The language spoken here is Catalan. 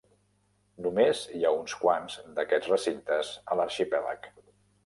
Només hi ha uns quants d'aquests recintes a l'arxipèlag.